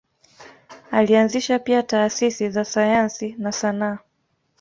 Alianzisha pia taasisi za sayansi na sanaa.